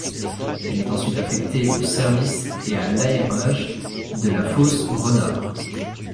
Elle est ensuite affectée au service et à l'aérage de la fosse Renard.